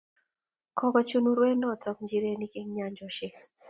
Kokochuch urwonotet njirenik eng nyanjosiek